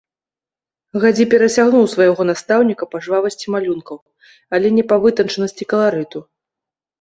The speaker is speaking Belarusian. Гадзі перасягнуў свайго настаўніка па жвавасці малюнкаў, але не па вытанчанасці каларыту.